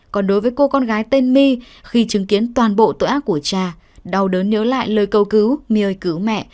còn đối với cô con gái tên my khi chứng kiến toàn bộ tội ác của cha đau đớn nhớ lại lời cầu cứu my ơi cứu mẹ